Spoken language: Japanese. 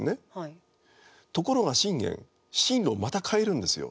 ところが信玄進路をまた変えるんですよ。